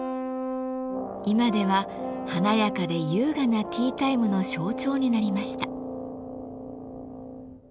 今では華やかで優雅なティータイムの象徴になりました。